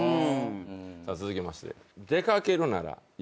さあ続きまして。